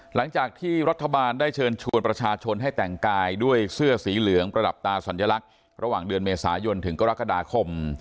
หลังจากที่รัฐบาลได้เชิญชวนประชาชนให้แต่งกายด้วยเสื้อสีเหลืองประดับตาสัญลักษณ์ระหว่างเดือนเมษายนถึงกรกฎาคม